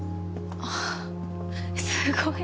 あっえっすごい。